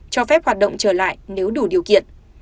cho phép hoạt động trở lại nếu đủ điều kiện